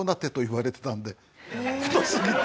太すぎて。